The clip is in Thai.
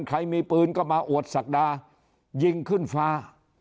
ใครมีปืนก็มาอวดศักดายิงขึ้นฟ้า